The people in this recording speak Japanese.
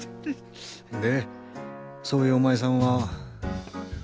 でそういうおまいさんは。